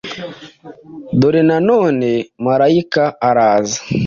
dore na none marayika araza,